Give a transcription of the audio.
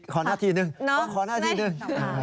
ขอนาทีหนึ่งขอนาทีหนึ่ง